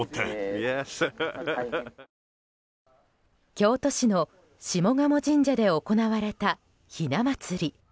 京都市の下鴨神社で行われたひな祭り。